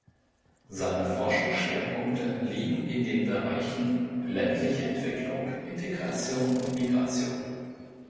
Seine Forschungsschwerpunkte liegen in den Bereichen ländliche Entwicklung, Integration und Migration.